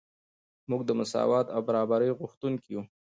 موږ د مساوات او برابرۍ غوښتونکي یو.